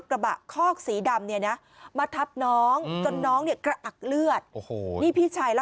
ลงกรเหรอ